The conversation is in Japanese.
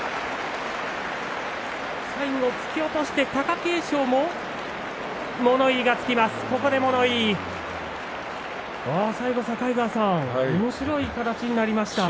最後、突き落として貴景勝も物言いがつきました。